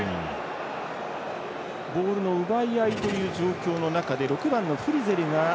ボールの奪い合いという状況の中で、６番のフリゼルが。